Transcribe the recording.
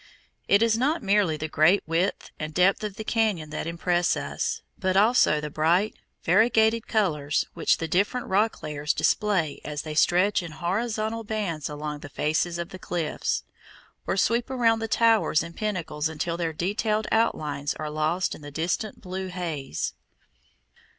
It is not merely the great width and depth of the cañon that impress us, but also the bright, variegated colors which the different rock layers display as they stretch in horizontal bands along the faces of the cliffs, or sweep around the towers and pinnacles until their detailed outlines are lost in the distant blue haze.